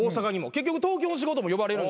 結局東京の仕事も呼ばれるんで。